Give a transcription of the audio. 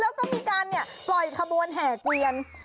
แล้วก็มีการปล่อยขบวนแห่เกวียน